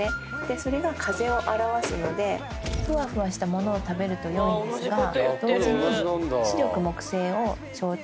それが風を表すのでふわふわした物を食べると良いんですが同時に。